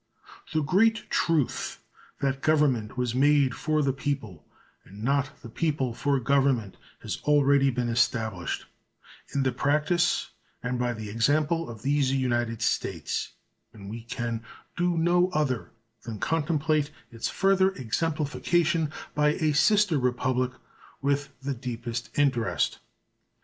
The great truth that government was made for the people and not the people for government has already been established in the practice and by the example of these United States, and we can do no other than contemplate its further exemplification by a sister republic with the deepest interest.